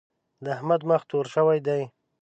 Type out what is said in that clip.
د احمد مخ تور شوی دی.